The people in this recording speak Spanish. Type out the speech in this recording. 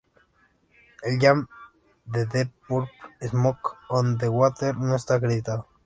El jam de Deep Purple "Smoke on the Water" no está acreditado.